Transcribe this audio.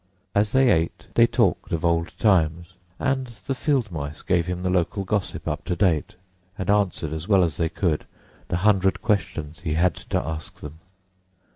As they ate, they talked of old times, and the field mice gave him the local gossip up to date, and answered as well as they could the hundred questions he had to ask them.